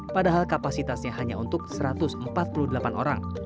padahal kapasitasnya hanya untuk satu ratus empat puluh delapan orang